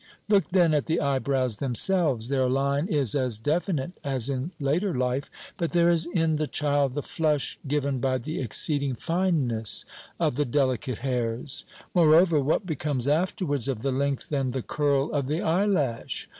Look then at the eyebrows themselves. Their line is as definite as in later life, but there is in the child the flush given by the exceeding fineness of the delicate hairs. Moreover, what becomes, afterwards, of the length and the curl of the eyelash?